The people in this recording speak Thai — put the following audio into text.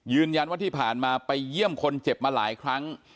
ยืนยันว่าที่ผ่านมาไปเยี่ยมคนเจ็บมาหลายครั้ง